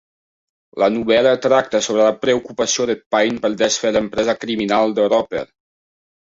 La novel·la tracta sobre la preocupació de Pine per desfer l'empresa criminal de Roper.